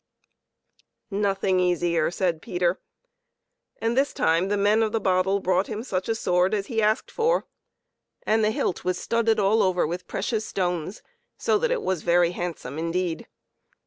" Nothing easier," said Peter, and this time the men of the bottle brought him such a sword as he asked for, and the hilt was studded all over with precious stones, so that it was very handsome indeed.